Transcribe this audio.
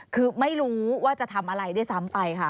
คือไม่รู้ว่าจะทำอะไรด้วยซ้ำไปค่ะ